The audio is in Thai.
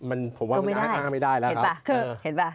มันผมว่าอ้างไม่ได้เลยครับเห็นป่ะเห็นป่ะ